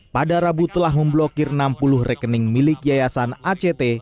pada rabu telah memblokir enam puluh rekening milik yayasan act